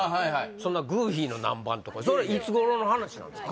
そんなグーフィーの何番とかそれいつ頃の話なんですか？